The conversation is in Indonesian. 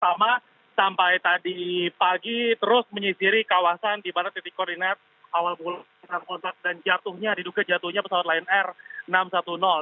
sama sampai tadi pagi terus menyisiri kawasan di mana titik koordinat awal bulan kontak dan jatuhnya diduga jatuhnya pesawat lion air enam ratus sepuluh